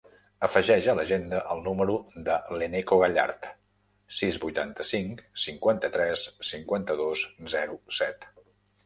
Afegeix a l'agenda el número de l'Eneko Gallart: sis, vuitanta-cinc, cinquanta-tres, cinquanta-dos, zero, set.